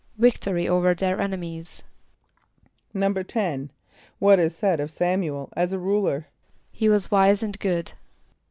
=Victory over their enemies.= =10.= What is said of S[)a]m´u el as a ruler? =He was wise and good.